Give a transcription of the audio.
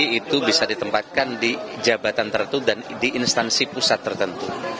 itu bisa ditempatkan di jabatan tertentu dan di instansi pusat tertentu